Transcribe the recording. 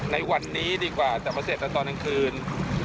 ในวันนี้ดีกว่าแต่ว่าเสร็จแล้วตอนกลางคืน